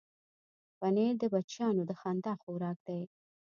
پنېر د بچیانو د خندا خوراک دی.